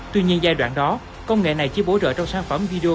tuy nhiên giai đoạn đó công nghệ này chỉ bối rỡ trong sản phẩm video